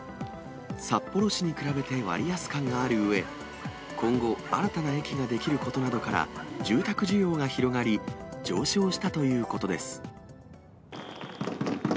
札幌市に比べて割安感があるうえ、今後、新たな駅が出来ることなどから、住宅需要が広がり、上昇したということです。